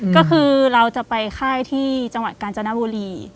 ก็คือเราจะไปค่ายที่จังหวัดกาญจนบุรี